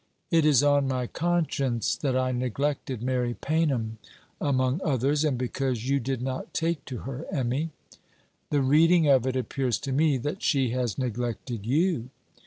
'It is on my conscience that I neglected Mary Paynham, among others and because you did not take to her, Emmy.' 'The reading of it appears to me, that she has neglected you.'